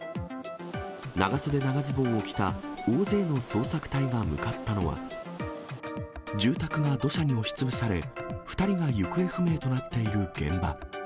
長袖長ズボンを着た大勢の捜索隊が向かったのは、住宅が土砂に押しつぶされ、２人が行方不明となっている現場。